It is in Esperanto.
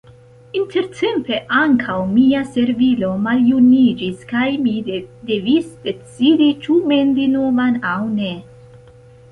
Intertempe ankaŭ mia servilo maljuniĝis kaj mi devis decidi ĉu mendi novan aŭ ne.